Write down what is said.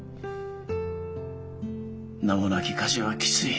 名もなき家事はきつい。